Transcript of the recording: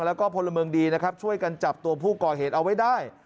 แล้วก็พลเมืองดีนะครับช่วยกันจับตัวผู้ก่อเหตุเอาไว้ได้